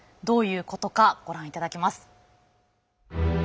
どういうことかご覧いただきます。